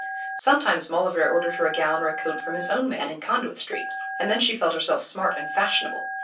Sometimes Maulevrier ordered her a gown or a coat from his own man in Conduit Street, and then she felt herself smart and fashionable.